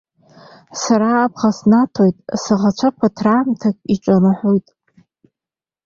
Сара абӷа снаҭоит, саӷацәа ԥыҭраамҭак иҿанаҳәоит.